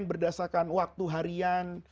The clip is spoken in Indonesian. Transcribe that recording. berdasarkan waktu harian